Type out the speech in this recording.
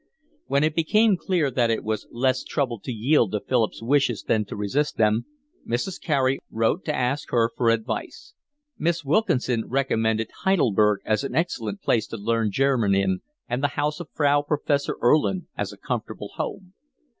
When it became clear that it was less trouble to yield to Philip's wishes than to resist them, Mrs. Carey wrote to ask her for advice. Miss Wilkinson recommended Heidelberg as an excellent place to learn German in and the house of Frau Professor Erlin as a comfortable home.